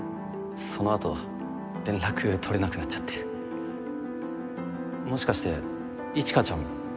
その後連絡取れなくなっちゃってもしかして一華ちゃんも？